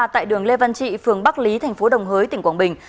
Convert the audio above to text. tại đường lê văn trị phường bắc lý tp đồng hới tỉnh quảng bình